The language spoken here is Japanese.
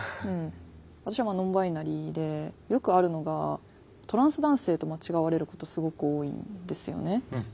私はノンバイナリーでよくあるのがトランス男性と間違われることすごく多いんですよね。